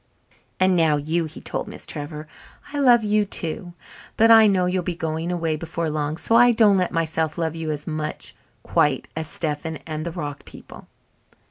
"And now you," he told Miss Trevor. "I love you too, but I know you'll be going away before long, so I don't let myself love you as much quite as Stephen and the rock people."